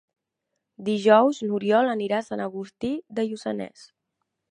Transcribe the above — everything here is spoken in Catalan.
Dijous n'Oriol anirà a Sant Agustí de Lluçanès.